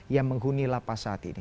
yang menghuni lapas saat ini